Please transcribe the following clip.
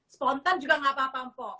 spontan juga nggak apa apa mpok